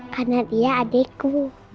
karena dia adekku